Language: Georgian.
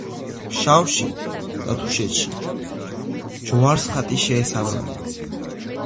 ფშავში და თუშეთში ჯვარს ხატი შეესაბამება.